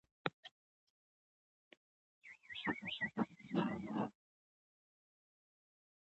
تر څو میلمه ته ښه ډوډۍ ورکړو.